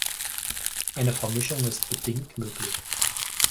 Eine Vermischung ist bedingt möglich.